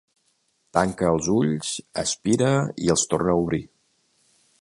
Tanca els ulls, aspira i els torna a obrir.